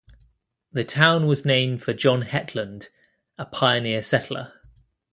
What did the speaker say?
The town was named for John Hetland, a pioneer settler.